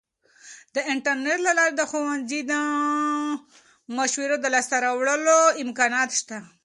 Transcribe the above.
د انټرنیټ له لارې د ښوونځي د مشورو د لاسته راوړلو امکان شته.